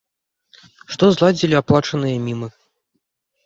Што зладзілі аплачаныя мімы.